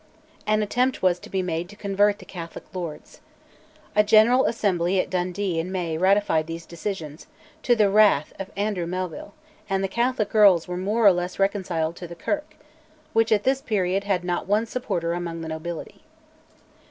An attempt was to be made to convert the Catholic lords. A General Assembly at Dundee in May ratified these decisions, to the wrath of Andrew Melville, and the Catholic earls were more or less reconciled to the Kirk, which at this period had not one supporter among the nobility.